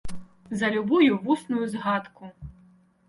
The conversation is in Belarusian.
За любую вусную згадку!